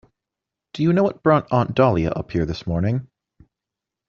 Do you know what brought Aunt Dahlia up here this morning?